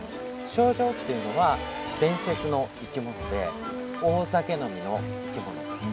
ショウジョウっていうのは伝説の生き物で大酒飲みの生き物。